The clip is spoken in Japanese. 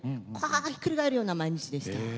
ひっくり返るような毎日でした。